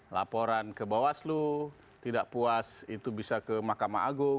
laporan ke bawas lu tidak puas itu bisa ke makam agung